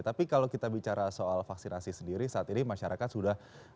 tapi kalau kita bicara soal vaksinasi sendiri saat ini masyarakat sudah